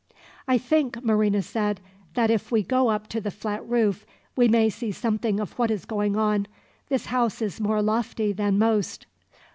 "I think," Marina said, "that if we go up to the flat roof, we may see something of what is going on. This house is more lofty than most."